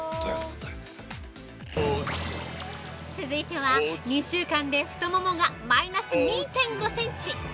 ◆続いては、２週間で太ももがマイナス２５センチ！